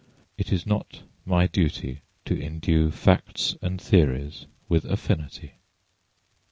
It is not my duty to indue facts and theories with affinity.